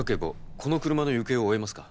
この車の行方を追えますか？